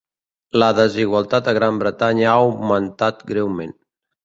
La desigualtat a Gran Bretanya ha augmentat greument